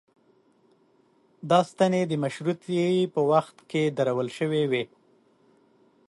دا ستنې د مشروطې په وخت کې درول شوې وې.